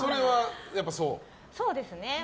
そうですね。